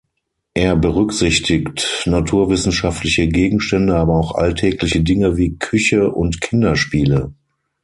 Er berücksichtigt naturwissenschaftliche Gegenstände, aber auch alltägliche Dinge wie Küche und Kinderspiele.